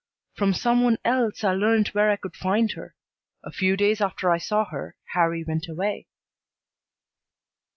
From some one else I learned where I could find her. A few days after I saw her, Harrie went away."